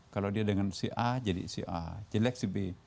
kalau dia dengan si a jadi si a jelek si b